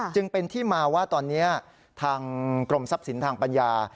จึงเป็นที่มาว่าตอนนี้ทางกรมทรัพย์สินทางปัญญา